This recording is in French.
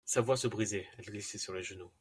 Sa voix se brisait, elle glissait sur les genoux.